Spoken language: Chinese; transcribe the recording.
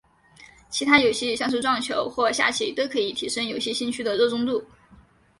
其他游戏像是撞球或下棋都可以提升游戏兴趣的热衷度。